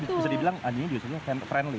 jadi bisa dibilang anjingnya justru friendly